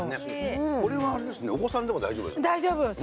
これはお子さんでも大丈夫ですね。